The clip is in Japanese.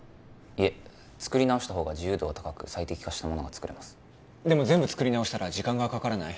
いえ作り直したほうが自由度が高く最適化したものが作れますでも全部作り直したら時間がかからない？